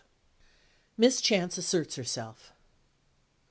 MISS CHANCE ASSERTS HERSELF.